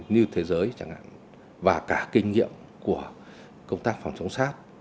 như thế giới chẳng hạn và cả kinh nghiệm của công tác phòng chống sars